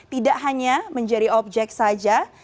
tidak hanya menjadi objek saja